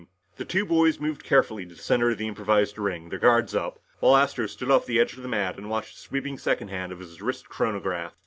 The two boys moved carefully to the center of the improvised ring, their guards up, while Astro stood off the edge of the mat and watched the sweeping second hand of his wrist chronograph.